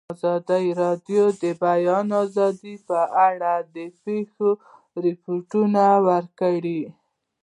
ازادي راډیو د د بیان آزادي په اړه د پېښو رپوټونه ورکړي.